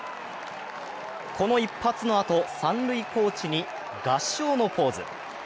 この一発のあと、三塁コーチに合掌のポーズ。